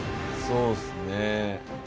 そうっすね